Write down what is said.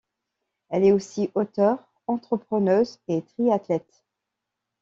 Elle est aussi auteure, entrepreneuse et triathlète.